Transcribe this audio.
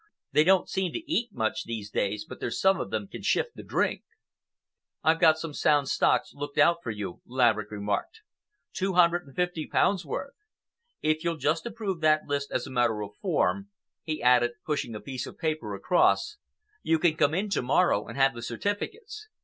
They don't seem to eat much these days, but there's some of them can shift the drink." "I've got some sound stocks looked out for you," Laverick remarked, "two hundred and fifty pounds' worth. If you'll just approve that list as a matter of form," he added, pushing a piece of paper across, "you can come in to morrow and have the certificates.